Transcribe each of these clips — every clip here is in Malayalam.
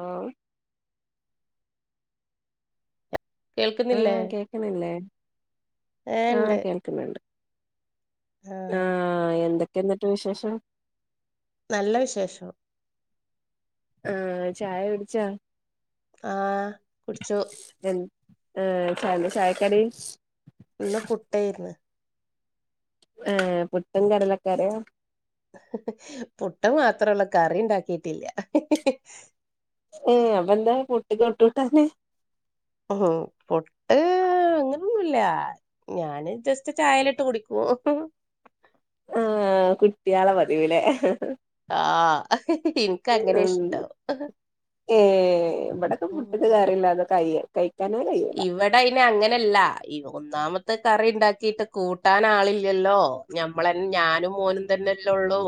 ആഹ് ആ കേൾക്കുന്നില്ലേ? കേക്ക്ണില്ലേ ഏ ആ ഉണ്ട് കേ ക്ക്ണ് ണ്ട് ആ ആഹ് എന്തൊക്കെയാന്നിട്ട് വിശേഷം. നല്ല വിശേഷം. ആഹ് ചായ കുടിച്ചാ. ആഹ് കുടിച്ചു. എന്ത്‌ ആഹ് എന്താ ചായക്കടി. ഇന്ന് പുട്ടായിര്ന്ന്. ആഹ് പുട്ടും കടലകറിം. പുട്ട് മാത്രള്ളു കറിണ്ടാക്കിട്ടില്ല്യ ഹ് ഹ്. ഏ അപ്പൊ എന്താ പുട്ട്ക്കൊട്ട് കൂട്ടാൻ. ഉഹും പുട്ട് അങ്ങനൊന്നുല്ല. ഞാന് ജസ്റ്റ് ചായേലിട്ട് കുടിക്കും ഹ് ഹ് ആഹ് കുട്ട്യാളെ പതിവ് ലെ. ആഹ് ഹഹഹ ഇൻക്ക് അങ്ങനെ ഇഷ്ടം. ഉം ഇവിടെക്കെ ഉം. പുട്ട്ക്ക് കറിയില്ലാതെ കയ് കയ്ക്കാനെ കഴി ഇവിടയിന് അങ്ങനല്ല ഈ ഒന്നാമത്തെ കറിണ്ടാക്കിട്ട് കൂട്ടാനാളില്ലല്ലോ? ഞമ്മളന്നെ ഞാനും മോനും തന്നെല്ലേള്ളൂ.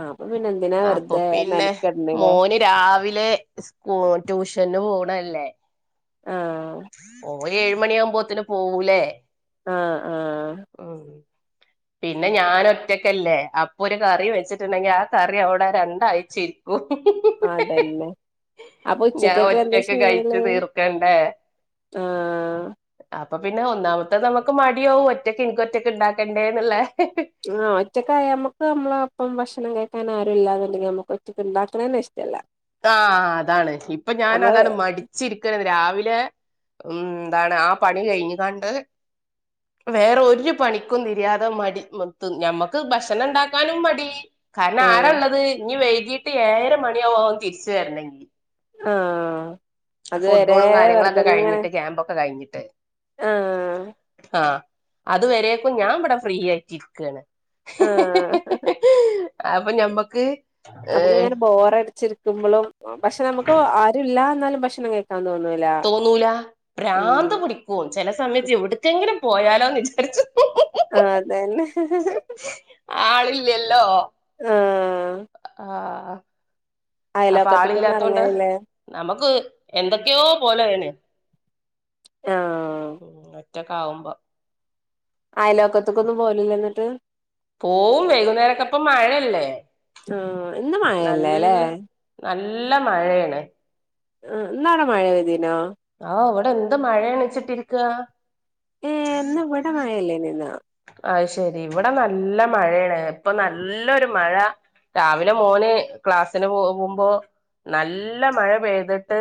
ആഹ് അപ്പൊ പിന്നെന്തിനാ വെറുതെ പിന്നെ മെനക്ക്ട്ലെ. മോന് രാവിലെ സ്കൂ ട്യൂഷന് പോണല്ലേ ആഹ് ഓ ഓ ഏഴ് മണിആമ്പോത്തേന് പോവൂല്ലേ? ആഹ് ആഹ്. ഓഹ്. പിന്നെ ഞാനൊറ്റക്കല്ലേ അപ്പൊ ഒരു കറി വെച്ചിട്ടുണ്ടെങ്കി ആ കറി അവിടെ രണ്ടായ്ച്ചയി [unintelligible] അതന്നെ. ആപ്പൊ ഉച്ചക്കെക്കെന്താ ഒറ്റക്ക് കഴിച്ചു ചെയ്യല് തീർക്കണ്ടേ ആഹ്. അപ്പൊ പിന്നെ ഒന്നാമത്ത നമുക്ക് മടിയാവും ഒറ്റക്ക് ഇനിക്കൊറ്റക്ക് ഉണ്ടാക്കേണ്ടേന്ന്ള്ളെ. ആഹ് ഒറ്റക്കായമ്മക്ക് അമ്മളെ ഒപ്പം ഭക്ഷണം കഴിക്കാൻ ആരും ഇല്ലാന്നുണ്ടെങ്കിൽ നമ്മുക്ക് ഒറ്റക്ക് ഉണ്ടാക്ക്ണന്നെഷ്ടല്ല. ആഹ് അതാണ് ഇപ്പൊ ഞാനതാണ് മടിച്ചിരിക്ക രാവിലെ ഉം എന്താണ് ആ പണി കഴിഞ്ഞ്കാണ്ട്. വേറൊരു പണിക്കും തിര്യാത മടി [unintelligible] ഞമ്മക്ക് ഭക്ഷണംണ്ടാക്കാനും മടി. കാരണം ആ ആരാള്ളത് ഇനി വൈകീട്ട് ഏഴര മണിയാവും ഓൻ തിരിച്ചുവര്ണെങ്കി. ആഹ്. ഫുട്ബോളും കാര്യങ്ങളൊക്കെ കഴിഞ്ഞിട്ട് ക്യാമ്പൊക്കെ കഴിഞ്ഞിട്ട്. ആ ആഹ് അത് വരേക്കും ഞാവിടെ ഫ്രീ ആയിട്ടിരിക്കാണ് ഹ് ആ ഹ് ഹ്. അപ്പൊ ഞമ്മക്ക്. നമുക്ക് ഏഹ് ഇങ്ങനെ ബോറടിച്ചിരിക്കുമ്പോളുംപക്ഷെ നമുക്ക് ആരുല്ല എന്നാലും ഭക്ഷണം കയ്ക്കാൻ തോന്നൂല്ല. തോന്നൂല ഭ്രാന്ത്‌ പിടിക്കും ചിലസമയത്ത് എവിടക്കെങ്കിലുംപോയാലോന്ന് വിചാരിച്ചും. ആ അതന്നെ ആളില്ലല്ലോ ആഹ്. ആഹ് അപ്പൊ അയലോക്കത്തക്കൊന്നും ആളില്ലാത്തൊണ്ട്. ഇറങ്ങാനില്ലേ നമുക്ക് എന്തൊക്കെയോ പോലെയാണ്. ആഹ്. ഒറ്റക്ക് ആവുമ്പോ. അയലോക്കത്ത്ക്കൊന്നും പോലില്ലെ എന്നിട്ട്. പോവും വൈകുന്നേരൊക്കെപ്പ മഴയല്ലേ ആ ഇന്ന് മഴയല്ലേ ല്ലേ നല്ല. നല്ല മഴയാണ്. ആഹ് ഇന്ന് അവിടെ മഴ പെയ്തിനോ? ആവു ഇവിടെ എന്ത് മഴ എണിച്ചിട്ടിരികാ. ഏ ഇന്ന് [unintelligible] അഹ് ശരി ഇവിടെ നല്ല മഴയാണ് ഇപ്പൊ നല്ലൊരു മഴ രാവിലെ മോൻ ക്ലാസിന് പോകുമ്പോ. നല്ല മഴ പെയ്തിട്ട്.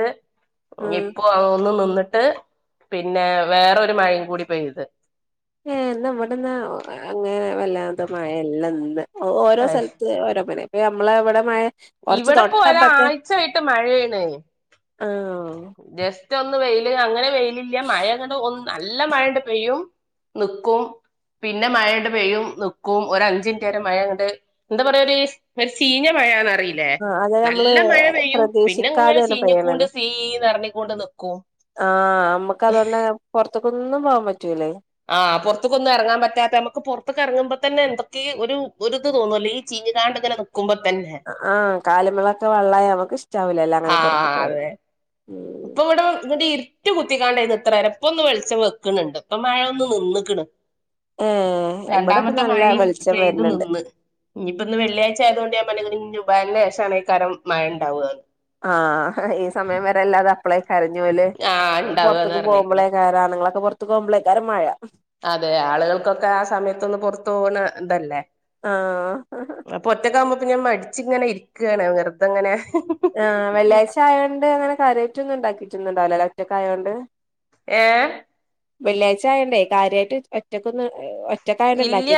ആഹ് ഇപ്പോ അതൊന്ന് നിന്നിട്ട് പിന്നെ വേറരു മഴയും കൂടി പെയ്ത്. ഏ നമ്മടന്നാ അങ്ങനെ വല്ലാത്ത മഴയില്ലെന്ന് ഇന്ന്. ഓ ഓരോ സ്ഥലത്ത് ഓരോ മിനെ ഇപ്പ ഞമ്മള അവിടെ മഴ കൊറച്ച് ഇവിടെ തൊട്ടപ്പത്തെ ഇപ്പോരായ്ച്ച ആയിട്ട് മഴയാണ്. ആഹ് ജസ്റ്റ് ഒന്ന് വെയില് അങ്ങനെ വെയിലില്ല മഴ അങ്ങണ്ട് ഒ നല്ല മഴ അങ്ങട്ട് പെയ്യും. നിക്കും പിന്നെ മഴ അങ്ങട്ട് പെയ്യും നി ക്കും ഒരഞ്ച്മിനിറ്റ് വരെ മഴ അങ്ങട്ട് എന്താ പറയാ ഒരു ഒരു ചീഞ്ഞ മഴന്ന്റിയാം. ല്ലെ ആഹ് അത് നമ്മള് നല്ല മഴ പെയ്യും പിന്നെ ഇങ്ങനെ പ്രതീക്ഷിക്കാതെയാണ് ചീഞ്ഞിക്കൊണ്ട് പെയ്യണത് സീന്ന്റങ്ങിക്കൊണ്ട് നിക്കും. ആഹ് നമ്മുക്ക് അതൊണ്ട് പൊ റത്തേക്കൊന്നും പോവാൻ പറ്റൂല്ലേ. ആഹ് പുറതേകൊന്നും ഇറങ്ങാൻ പറ്റാത്തെ നമുക്ക് പുറത്തക്ക് ഇറങ്ങുമ്പോ തന്നെ എന്തൊക്കെയ ഒരുഇത് തോന്നൂലേ ഈ ചീഞ്ഞുകാണ്ടങ്ങനെ മിനിക്കുമ്പോ തന്നെ. ആഹ് കാലിമളൊക്കെ വെള്ളായി നമ്മക്ക് ഇഷ്ടവലല്ലോ അങ്ങനെ പുറത്ത പോ ഇപ്പ ഇവിടെ ഇങ്ങിട്ട് ഇരുട്ടു കുത്തിക്കാണ്ടന്ന് ഇത്ര നേരം ഇപ്പൊന്നു ഒന്ന് വെളിച്ചം വെക്കണണ്ട് ഇപ്പം മഴ ഒന്ന് നിന്ന്ക്ന്. ഏ ഇവിടെ ഇപ്പോ നല്ല വെളിച്ചം വരുന്നുണ്ട്. ഇനിയിപ്പൊ ഇന്ന് വെള്ളിയാഴ്ച ആയത് കൊണ്ട് ഞാൻ പറഞ്ഞ്ക്ന് ഇനി ജുമഹക് ശേഷംആയിരിക്കും മഴ ഉണ്ടാവുകന്ന്. ആഹ് ഈ സമയം വരെ അല്ലാതാ അപ്പളെ കരഞ്ഞോല് ആഹ് ഉണ്ടാവുകാന്ന് പുറത്തേക്ക് പറഞ്ഞിക്കണ് പോകുമ്പലേകാരം ആണുങ്ങൾപുറത്തു പോകുമ്പളേക്കാരം മഴ. അതെ ആളുകൾക്കൊക്കെ ആ സമയത്തൊന്ന് പുറത്ത് പോകുന്ന ഇതല്ലേ. ആഹ്. അപ്പൊ ഒറ്റക്കാകുമ്പോപ്പ ഞാൻ മടിച്ച ഇങ്ങനെ ഇരിക്കാന് വെറുതെങ്ങനെ. ആഹ് വെള്ളിയാഴ്ച ആയോണ്ട് അങ്ങനെ കാരിയിറ്റൊന്നും ഉണ്ടാക്കിട്ടൊന്നണ്ടാവൂലലെ ഒറ്റക്കായോണ്ട്. ഏ. വെള്ളിയാഴ്ച ആയണ്ടേ കാര്യമായിട്ട് ഒറ്റക്കന്ന് ഇല്ല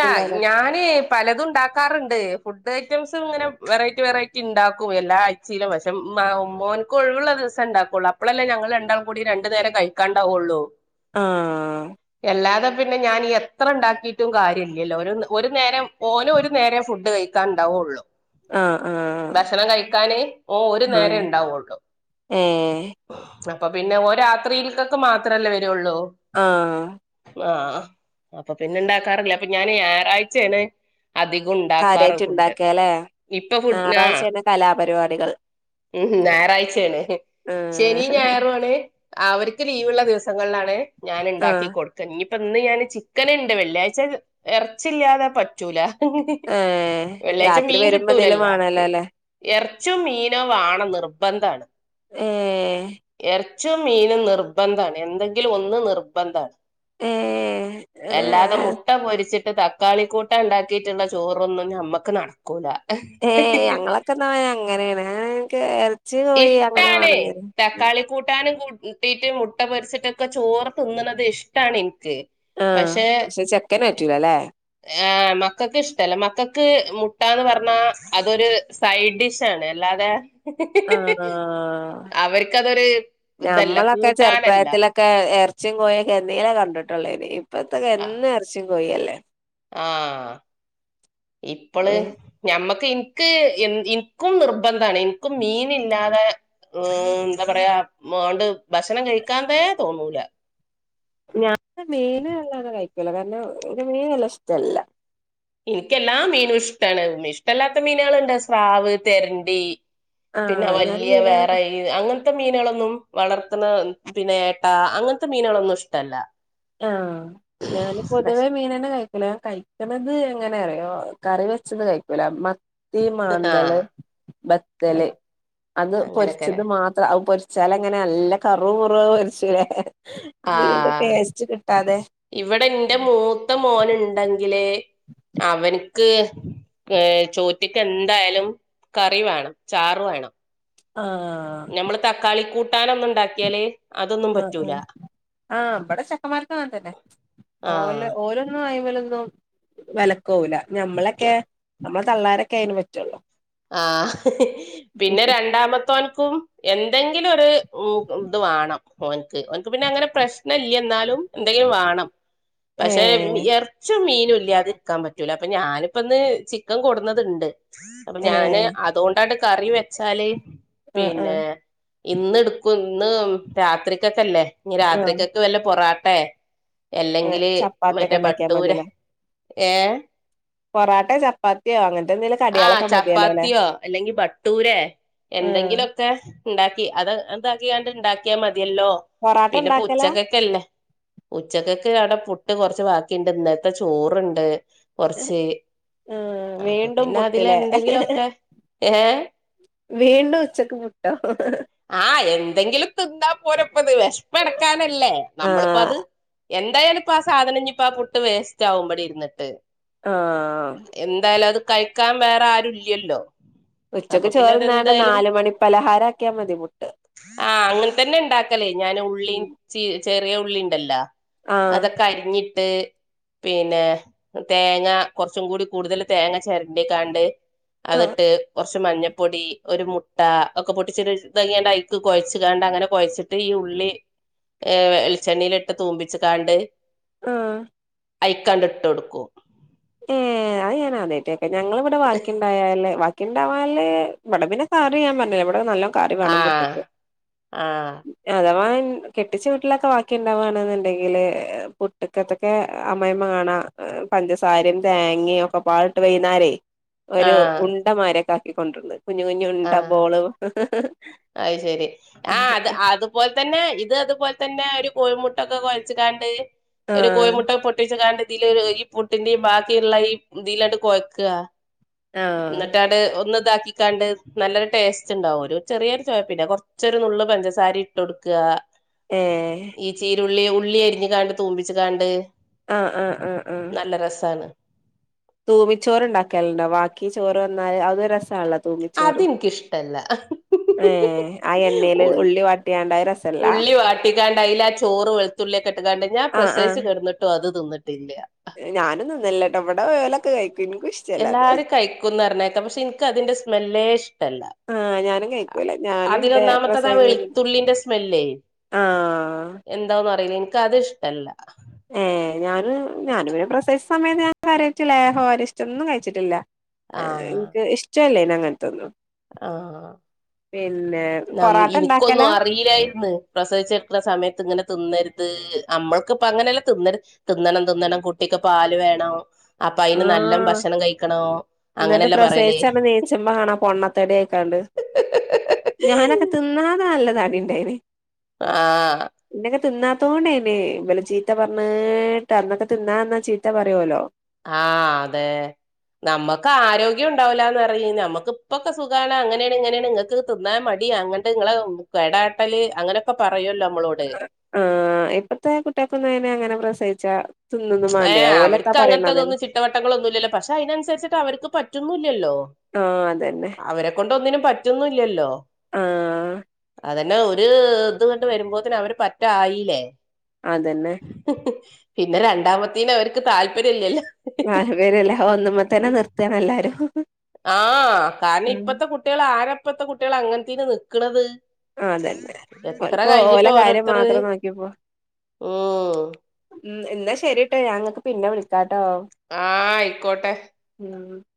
ഞാൻ. പലതും ഉണ്ടാക്കാറുണ്ട് ഫുഡ് ഐറ്റംസ് ഇങ്ങനെ വെറൈറ്റി വെറൈറ്റി ഉണ്ടാക്കും എല്ലാ ആഴ്ചലും. ചില പക്ഷേ മോനക്ക് ഒഴിവുള്ള ദിവസം ഉണ്ടാക്കുള്ളൂ അപോയല്ലേ ഞങ്ങൾ രണ്ടാളും കൂടി രണ്ട് നേരം കഴിക്കും. കണ്ട ഉള്ളു. ആഹ്. അല്ലാതെ പിന്നെ ഞാനീ എത്ര ഉണ്ടാക്കി്. റ്റും കാര്യം ഇില്ലല്ലോ ഒരു ഒരു നേരം ഓനും ഒരു നേരം ഫുഡ് കഴിക്കാൻ ഉണ്ടാവുള്ളൂ. ആഹ് ആഹ് ഭക്ഷണം കഴിക്കാന് ഓൻ ഒരു നേരെ ആഹ് ഉണ്ടാവള്ളു. ഏഹ് അപ്പൊ പിന്നെ ഓ രാത്രിൽക്കൊക്കെ മാത്രമല്ലേ വരുള്ളൂ. ആഹ്. ആഹ് അപ്പൊ പിന്നെ ഇണ്ടാക്കാറില്ല അപ്പൊ ഞാാന് ഞായറാഴ്ചേണ് അധികം ഉണ്ടാക്കാറ് കാര്യായിട്ട് ഫുഡ് ഇണ്ടാക്കാല്ലേ ഇപ്പൊ ഫുഡ് ആ ഞായറാഴ്ചയാണ് കലാപരിപാടികൾ ഉം ഞായറാഴ്ചയാണ് ആഹ് ശനി ഞായറും ആണ് അവർക്ക് ലീവുള്ള ദിവസങ്ങളിലാണ് ഞാന് ഇണ്ടാക്കി ആഹ് കൊടുക്ക ഇനിയിപ്പ ഇന്ന് ഞാന് ചിക്കനുണ്ട് വെള്ളിയാഴ് ച്ച ഇറച്ചില്ലാതെ പറ്റ റ്റൂല ഏഹ് വെള്ളിയാഴ്ച രാത്രി മീൻ വരുമ്പോ എന്തേലും കിട്ടൂലല്ല വേണല്ലോ അല്ലേ എറച്ചും മീനോ വാണം നിർബന്ധമാണ് ഏഹ് എറച്ചും മീനും നിർബന്ധമാണ് എന്തെങ്കിലും ഒന്ന് നിർബന്ധമാണ് ഏഹ് അല്ലാതെ മു ഏഹ് മുട്ട പൊരിച്ചിട്ട് തക്കാളി കൂട്ടാൻ ഉണ്ടാക്കിയിട്ടുള്ള ചോറൊന്നും ഞമ്മുക്ക് നട ക്കൂല ഏഹ് ഞങ്ങളൊക്കെ ന്നാ അങ്ങനെയാണ് ഞങ്ങക്ക് എറച്ചി കോഴി അങ്ങനെ ഇഷ്ടാണ് വേണം തരും ഉം കാളി കൂട്ടാനും കൂട്ടിട്ടും മുട്ട പൊരിച്ചിട്ടൊക്കെ ചോറ് തിന്നണത് ഇഷ്ടാണ് എനിക്ക് പക്ഷെ വെക്കാനെ പറ്റു ലാല്ലേ ആഹ് മക്കൾക്ക് ഇഷ്ടല്ല മക്കക്ക് മുട്ടന്ന് പറഞ്ഞാ അതൊരു സൈഡ് ഡിഷ് ആണ് അല്ലാതെ ഇഹ് ആഹ് അവർക്കതൊരു ഇതല്ല കൂട്ടാനല്ല ഒക്കെ ഇറച്ചിയും കോഴൊ കെന്നീന കണ്ടിട്ടുള്ളേ ഇന് ഇപ്പത്തക്കെ എന്ന ഇറച്ചിയും കോഴി അല്ലേ ആഹ് ഇപ്പള് ഏഹ് ഞമ്മക്ക് എനിക്ക് എ എനിക്കും നിർബന്ധമാണ് എനിക്കും മീനി ല്ലാതെ മ് എന്താ പറയാ മോണ്ട് ഭക്ഷണം കഴിക്കാനേ തോന്നൂല ഞാന് മീന് വല്ലാണ്ട് കഴിക്കൂല കാരണം മീന് വലു ഇഷ്ടല്ല എനിക്കെല്ലാ മീനും ഇഷ്ടമാണ് ഇഷ്ടമല്ലാത്ത മീനുകളുണ്ട് സ്രാവ് തെരണ്ടി പിന്നെ ആഹ് ഞാനും വല്യയ മീനങ്ങനെ വേറെ കഴി അങ്ങനത്തെ മീനുകളൊന്നും വളർത്തുന്ന പിന്നെ ഏട്ടാ അങ്ങനത്തെ മീനുകളൊന്നും ഇഷ്ടല്ല ആഹ് ഞാന് പൊതുവേ പക്ഷെ മീന ന്നെ കഴി നമ്മള്കഴിക്കണത് എങ്ങനെ അറിയോ കറി വെച്ചത് കഴിക്കൂല മ തീ ആ മാന്തള് ബത്തല് അത് പൊരിച്ചത് അങ്ങനെയൊക്കെല്ലേ മാത്രം അത് പൊരിച് ച്ചാല അങ്ങനെ നല്ല കറു മുറു മരിച്ചലേ ആ മീന്റെ ടേസ്റ്റ് കിട്ടാതെ ഇവിടെ എന്റെ മൂത്ത മോനുണ്ടെങ്കിലേ അവൻ ക്ക് ഏ ചോറ്റക്ക് എന്തായാലും കറി വേണം ചാറ് വേണം ആ ഞമ്മള് തക്കാളി കൂട്ടാന് ഒന്ന് ഇണ്ടാക്കിയാല് ആ ഹ്ആഹ് ആഹ് ഇ ബടെ ച വർക്കന്നെ ഓ ആഹ് ഓരോന്നും ആയ്മെലൊന്നും വല പോവുല്യ ഞമ്മളൊക്കെ നമ്മ തള്ളാരൊക്കെ അയിന് പറ്റുള്ളൂ ആ പിന്നെ രണ്ടാമത്തോൻക്കും എന്തെങ്കിലും ഒരു മ് ഇത് വേണം ഓൻക്ക് ഓൻക്ക് പിന്നെ അങ്ങനെ പ്രശ്ന ഇല്ല എന്നാലും എന്തെങ്കിലും വേണം പക്ഷെ ഏഹ് എർ പക്ഷ മീന ഇല്ലാതെ ഇരിക്കാൻ പറ്റൂല അപ്പൊ ഞാനിപ്പ ഒന്ന് ചിക്കൻ കൊടുന്നയിണ്ട് അപ്പൊ ഞാന് ഏഹ് അതുകൊണ്ടാണ് കറി വെച്ചാല് ആഹ് ആഹ് പിന്നെ ഇന്ന് എടുക്കും ഇന്ന് രാത്രിക്കക്കല്ലേ ഇ ആഹ് രാത്രിക്കൊക്കെ വല്ല പൊറാട്ടയ അങ്ങനെ അല്ലെങ്കില് ചപ്പാത്തിയൊക്കെ മറ്റേ ഇണ്ടാക്കിയാ ബട്ടൂര് ഏ പൊറോട്ടോ ചപ്പാത്തിയോ അങ്ങനത്തെ എന്തെങ്കിലും ആഹ് കടികളൊക്കെ മതിയല്ലോ ല്ലേ ചപ്പാത്തിയോ അല്ലെങ്കിൽ ബട്ടൂരെ എന്തെങ്കിലും ഒക്കെ ഇണ്ടാക്കി അത് എന്താക്കി ക ഇണ്ടാക്കിയാ മതിയല്ലോ പൊറാട്ട പിന്നെ ഇണ്ടാക്കലാ പുച്ചക്കൊക്കെല്ലേ ഉച്ചക്ക്ക്ക് അവിടെ പുട്ട് കൊറച്ച് ബാക്കിണ്ട് ഇന്നത്തെ ചോറ്ണ്ട് കുറച്ച് അപ്പൊ ഇപ്പോം പിന്നെ പുട്ടില്ലേ അതിലെന്തെങ്കിലൊക്കെ ഏഹ് വീണ്ടും ഉച്ചക്ക് പുട്ടോ ആഹ് എന്തെങ്കിലും തിന്നാ പോരപ്പത് വിഷമം എടക്കാനല്ലേ നമ്മളിപ്പോ ആഹ് അത് എന്തായാലും ഇപ്പ ആ സാധനം ഇനിയിപ്പ, ആ പുട്ട് വേസ്റ്റ് ആവും ഇവിടെ ഇരിന്നിട്ട്. ആഹ് എന്തായാലും അത് കഴിക്കാൻ വേറെ ആരും ഇല്ല്യല്ലോ. ഉച്ചക്ക് ചൊർ തിന്നാണ്ട് നാല് മണി പലഹാരം ആക്കിയാൽ മതി പുട്ട് ആഹ് അങ്ങനെ തന്നെ ഇണ്ടാക്കലേ ഞാൻ ഉള്ളീ ഉം ചീ ചെറിയ ഉള്ളി ഇണ്ടല്ല ആഹ് അതൊക്കെ അരിഞ്ഞിട്ട് പിന്നെ തേങ്ങ കുറച്ചും കൂടി കൂടുതൽ തേങ്ങ ചിരണ്ടിക്കാണ്ട് ആഹ് അതിട്ട് കുറച്ച് മഞ്ഞപ്പൊടി ഒരു മുട്ട ഒക്കെ പൊട്ടിച്ചിട്ട് ഇതങ്ങിയ ഐക്ക് കുഴച്ച് കണ്ട് അങ്ങനെ കൊഴച്ചിട്ട് ദെ ഈ ഉള്ളി ഏ വെളിച്ചെണ്ണിയിൽ ഇട്ട് തൂമ്പിച്ച കാണ്ട് ആഹ് അയ്ക്കാണ്ട് ഇട്ട് കൊടുക്കും ഏ, അത് ഞാനാദ്യായിട്ട് കേക്ക. ഞങ്ങൾ ഇവിടെ ബാക്കിയുണ്ടായാല് ബാക്കി ഉണ്ടാവാല്, ഇവിടെ പിന്നെ കറി ഞാൻ പറഞ്ഞില്ലേ ബടെ നല്ലോം കറി വേണം ആഹ് പുട്ട്ക്ക് ആഹ് അഥവാ കെട്ടിച്ച വീട്ടിലൊക്കെ വാക്കി ഉണ്ടാവുകവാണെന്നുണ്ടെങ്കില് പുട്ടക്കെ ഒക്കെ അമ്മായിമ്മ കാണാ പഞ്ച സാരം തേങ്ങിം ഒക്കെ പാടിട്ട് വൈകുന്നേരേ ഒരു ആഹ് ഉണ്ടമാരിക്കെ ആക്കി കൊണ്ടുവന്നിണ്ട്. കുഞ്ഞു കുഞ്ഞു ഉണ്ട ആഹ് ബോള് അത് ശരി ആഹ് അത് അതുപോലെ തന്നെ, ഇത് അതുപോലെ തന്നെ ഒരു കോഴിമുട്ടൊക്കെ കുഴച്ചിടാണ്ട്. ഒരു ആഹ് കോഴിമുട്ട പൊട്ടിച്ച് കാണ്ട് ഇതിലൊര്, ഈ പുട്ടിന്റെയും ബാക്കിയുള്ള ഈ ഇതിലായിട്ട് കൊഴയ്ക്കുക. ആഹ് എന്നിട്ടാണ്ട് ഒന്ന് ഇതാക്കിക്കാണ്ട് നല്ലൊരു ടേസ്റ്റ് ഉണ്ടാവും, ഒരു ചെറിയൊരു ചുവ, പിന്നെ കുറച്ചൊരു നുള്ള് പഞ്ചസാര ഇട്ട് കൊടുക്കുക. ഏഹ് ഈ ചീരുള്ളി ഉള്ളി അരിഞ്ഞു കാണ്ട് തൂമ്പിച്ചു കാണ്ട്, ആഹ് ആഹ് ആഹ് ആഹ് നല്ല രസമാണ്. തൂമിച്ചോറ് ഉണ്ടാക്കലുണ്ടോ ബാക്കി ചോറ് വന്നാല് അത് രസാണത് അതെനിക്കിഷ്ടല്ല ഏ ആ എണ്ണയില് ഉള്ളി വാട്ടിയാണ്ടായ രസല്ല ഉള്ളി വാട്ടിക്കാണ്ട്‌, അയില ആ ചോറ് വെള തുള്ളിയൊക്കെ ഇട്ട് ക്കാണ്ട് ഞാൻ ആഹ് പ്രസവിച്ചു ആഹ് കിടന്നിട്ടും അത് തിന്നിട്ടില്ല. ഞാനും തിന്നല്ലേട്ടോ ഇവിടെ പോയലൊക്കെ കഴിക്കും ഇഷ്ടം എല്ലാരും കഴിക്കുന്നറിഞ്ഞേക്കാം പക്ഷെ എനിക്ക് അതിന്റെ സ്മെല്ലേ ഇഷ്ടല്ല. ആഹ് ഞാനും കഴിക്കൂല ഞാന് ന്റെ അതിലൊന്നാമത്ത പ്രസവം കഴിഞ്ഞ് വെളുത്തുള്ളിന്റെ സ്മെല്ലേ ആഹ് എന്താന്നറിയില്ല എനിക്കത് ഇഷ്ടല്ല ഏഹ് ഞാന് ഞാനി പ്രസവിച്ച സമയത്ത് ഞാൻ കാര്യായിട്ട് ലേഹോ അരിഷ്ടോ ഒന്നും കഴിച്ചിട്ടില്ല ആഹ് എനിക്ക് ഇഷ്ടല്ലേ അങ്ങനത്തൊന്നും ആഹ്, പിന്നെ ന പൊറാട്ട ഇനിക്കൊന്നും ഇണ്ടാക്കലാ അറിയില്ലായിര്ന്ന് പ്രസവിച്ചെടുക്കുന്ന സമയത്ത് ഇങ്ങനെ തിന്നരുത് നമ്മൾക്കിപ്പ അങ്ങനെയല്ലാം തിന്ന തിന്നണം തിന്നണം കുട്ടിക്ക് പാല് വേണം അപ്പൊ അയിന് നല്ല ആഹ് ഭക്ഷണം കഴിക്കണോ അങ്ങനെല്ലാം പറയല് ച്ചമ്മ, കാണാ പൊണ്ണത്തെടിയൊക്കാണ്ട് ഞാനൊക്കെ തിന്നാതെ നല്ല തടി ഉണ്ടായേനെ. ആഹ് ഇന്നൊക്കെ തിന്നാത്തോണ്ടേന്നെ ചീത്ത പറഞ്ഞ് കേട്ട്, അന്നൊക്കെ തിന്നാതന്നാ ചീത്ത പറയുവല്ലോ. ആഹ്, അതെ നമുക്ക് ആരോഗ്യം ഉണ്ടാവൂലാന്ന് പറയും, നമുക്ക് ഇപ്പൊക്കെ സുഖാണ് അങ്ങനെയാണ് ഇങ്ങനെയാണ് നിങ്ങക്ക് തിന്നാ മടി അങ്ങനെ നിങ്ങളെ കടാട്ടല് അങ്ങനൊക്കെ പറയല്ലോ നമ്മളോട്. ആഹ്, ഇപ്പത്തെ കുട്ടികൾക്കൊന്നും അയ്ന് അങ്ങനെ പ്രസവിച്ചാ തിന്നോന്നും മാണ്ടെ ഓലെത്താ പറയണത് ഇട്ടവട്ടങ്ങൾ ഒന്നുല്ലല്ലോ, പക്ഷെ അയിനനുസരിച്ചിട്ട് അവർക്ക് പറ്റുന്നൂല്ലല്ലോ ആഹ് അതന്നെ അവരെ കൊണ്ട് ഒന്നിനും പറ്റുന്നു ല്ലല്ലോ? ആഹ് അതന്നെ ഒരുത്ങ്ങട്ട് വരുമ്പോത്തിന് ന്നെ അവര് പറ്റായില്ലേ? അതെന്നെ ഹി ഹി പിന്നെ രണ്ടാമത്തിന് അവർക്ക് താല്പര്യം ഇല്ലല്ലോ. ന്നാല് പേരല്ലേ ഒന്നമ്മതന്നെ നിർത്താണ് എല്ലാരും. ആ, കാരണം ഉം ഇപ്പത്തെ കുട്ടികള് ആരാ ഇപ്പഴത്തെ കുട്ടികള് അങ്ങൻതീന് നിക്കണത്. അതന്നെ എത്ര ഓൽക്ക് കഴിഞ്ഞിട്ടോ ഓലെ കാര്യം ഓരോരുത്തര്, മാത്രം നോക്കിപ്പോ ഉും ഉം, ന്നാ ശെരിട്ടോ, ഞാൻ ങ്ങൾക്ക് പിന്നെ വിളിക്കാട്ടോ? ആഹാ ആയിക്കോട്ടെ. [unintelligible]